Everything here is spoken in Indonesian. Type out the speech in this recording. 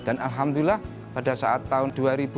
dan alhamdulillah pada saat tahun dua ribu lima belas